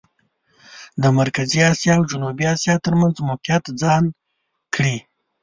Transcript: د مرکزي اسیا او جنوبي اسیا ترمېنځ موقعیت ځان کړي.